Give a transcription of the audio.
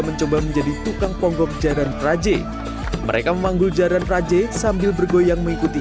mencoba menjadi tukang ponggok jaran frajik mereka memanggul jaran frajik sambil bergoyang mengikuti